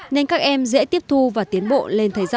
nên các em dễ tiếp thu và tiến bộ lên thầy rõ